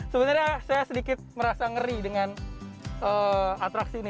sebenarnya saya sedikit merasa ngeri dengan atraksi ini